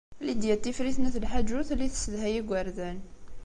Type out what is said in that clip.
Lidya n Tifrit n At Lḥaǧ ur telli tessedhay igerdan.